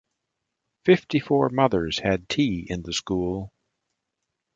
Fifty-four mothers had tea in the school.